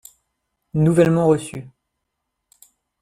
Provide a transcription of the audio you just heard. Nouvellement reçu.